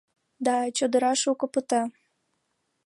— Да, чодыра шуко пыта.